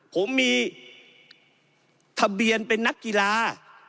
ผมมีทะเบียนเป็นนักกีฬา